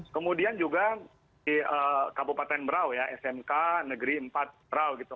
kemudian juga di kabupaten berau ya smk negeri empat braw gitu